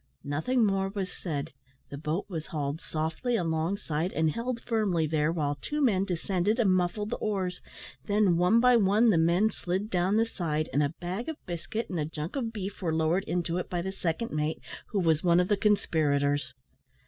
Nothing more was said; the boat was hauled softly alongside, and held firmly there while two men descended and muffled the oars; then one by one the men slid down the side, and a bag of biscuit and a junk of beef were lowered into it by the second mate, who was one of the conspirators.